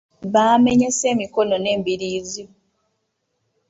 Baamenyese emikono n'embiriizi.